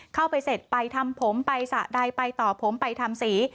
เข้าไปเสร็จไปทำผมไปสระใดไปต่อผมไปทำสี